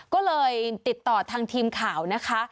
ก็เลยติดต่อทางทีมข่าวนะคะ